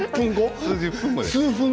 数十分後？